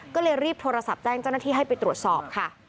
ก็เลยรีบโทรศัพท์แจ้งเจ้าหน้าที่ให้ไปตรวจสอบค่ะ